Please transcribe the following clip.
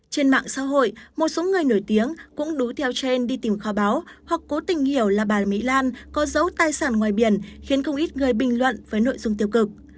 trên mạng xã hội một số người nổi tiếng cũng đút theo gen đi tìm kho báo hoặc cố tình hiểu là bà mỹ lan có dấu tài sản ngoài biển khiến không ít người bình luận với nội dung tiêu cực